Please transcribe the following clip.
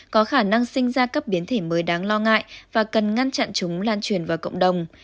có khả năng sinh ra các biến thể mới đáng lo ngại và cần ngăn chặn chúng lan truyền vào cộng đồng